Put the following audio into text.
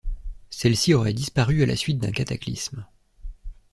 Celle-ci aurait disparu à la suite d'un cataclysme.